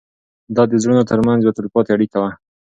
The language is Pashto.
دا د زړونو تر منځ یوه تلپاتې اړیکه وه.